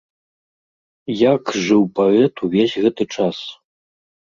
Як жыў паэт увесь гэты час?